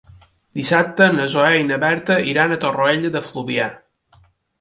Dissabte na Zoè i na Berta iran a Torroella de Fluvià.